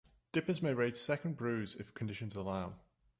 Dippers may raise second broods if conditions allow.